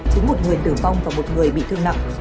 khiến một người tử vong và một người bị thương nặng